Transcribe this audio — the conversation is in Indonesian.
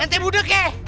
nanti budak ya